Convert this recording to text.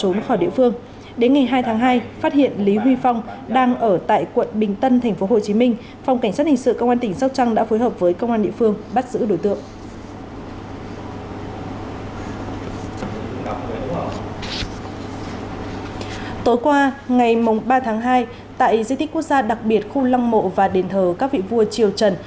hôm ba tháng hai tại di tích quốc gia đặc biệt khu long mộ và đền thờ các vị vua triều trần